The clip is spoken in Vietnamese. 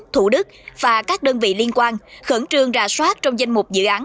thủ đức và các đơn vị liên quan khẩn trương ra soát trong danh mục dự án